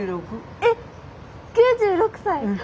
え９６歳？